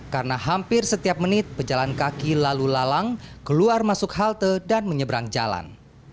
karena hampir setiap menit pejalan kaki lalu lalang keluar masuk halte dan menyeberang jalan